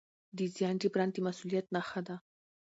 د زیان جبران د مسؤلیت نښه ده.